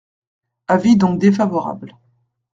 Avis donc défavorable.